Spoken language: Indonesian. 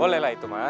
boleh lah itu mah